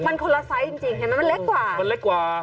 มันคนละไซส์จริงมันเล็กกว่า